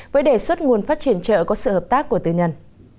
với đề xuất nguồn phát triển chợ có sự hợp tác của tư nhân